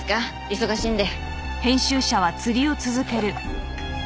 忙しいんで。